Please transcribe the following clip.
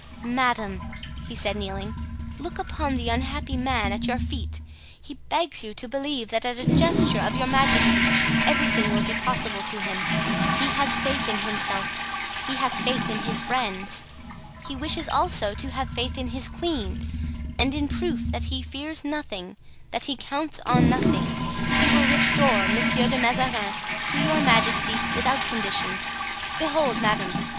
"Madame," he said, kneeling, "look upon the unhappy man at your feet. He begs you to believe that at a gesture of your majesty everything will be possible to him. He has faith in himself; he has faith in his friends; he wishes also to have faith in his queen. And in proof that he fears nothing, that he counts on nothing, he will restore Monsieur de Mazarin to your majesty without conditions. Behold, madame!